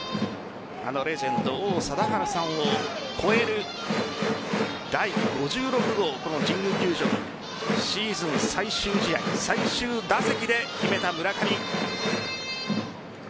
あのレジェンド王貞治さんを超える第５６号神宮球場シーズン最終試合最終打席で決めた村上。